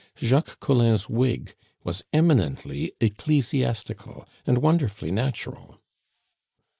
Jacques Collin's wig was eminently ecclesiastical, and wonderfully natural.